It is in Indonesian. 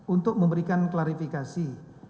untuk memberikan klarifikasi